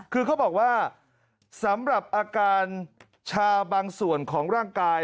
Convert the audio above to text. คือเขาบอกว่าสำหรับอาการชาบางส่วนของร่างกาย